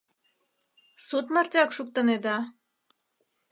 Суд мартеак шуктынеда?